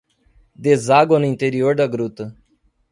Deságua no interior da gruta